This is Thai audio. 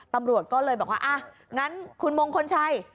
ตำรวจก็เลยบอกว่าอ่ะงั้นคุณมงคลชัย